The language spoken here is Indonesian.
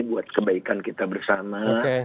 buat kebaikan kita bersama